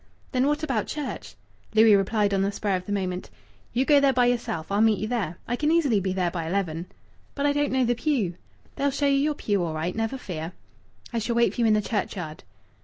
"Then what about church?" Louis replied on the spur of the moment "You go there by yourself. I'll meet you there. I can easily be there by eleven." "But I don't know the pew." "They'll show you your pew all right, never fear." "I shall wait for you in the churchyard."